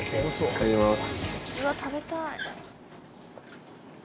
いただきます。